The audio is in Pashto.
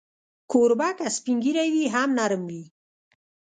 کوربه که سپین ږیری وي، هم نرم وي.